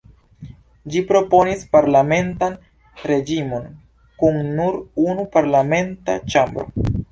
Ĝi proponis parlamentan reĝimon, kun nur unu parlamenta ĉambro.